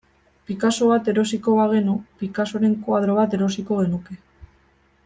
Picasso bat erosiko bagenu, Picassoren koadro bat erosiko genuke.